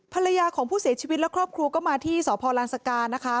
ภรรยาของผู้เสียชีวิตและครอบครัวก็มาที่สพลานสกานะคะ